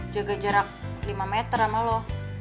jaga jarak lima meter sama lo